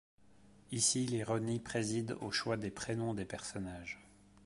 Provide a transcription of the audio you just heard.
Ici l'ironie préside au choix des prénoms des personnages.